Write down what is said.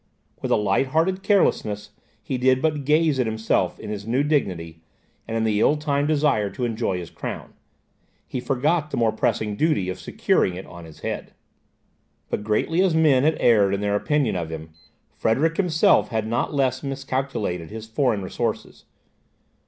With a light minded carelessness, he did but gaze at himself in his new dignity, and in the ill timed desire to enjoy his crown, he forgot the more pressing duty of securing it on his head. But greatly as men had erred in their opinion of him, Frederick himself had not less miscalculated his foreign resources.